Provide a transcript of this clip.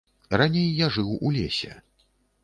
Раней я жыў у лесе.